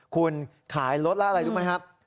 คุณขายรถแล้วอะไรรู้ไหมครับ